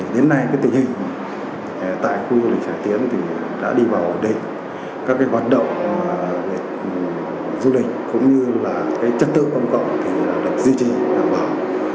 đến nay cái tình hình tại khu du lịch trải tiến thì đã đi vào đề các cái hoạt động về du lịch cũng như là cái chất tự công cộng thì được duy trì đảm bảo